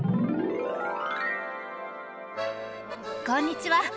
こんにちは。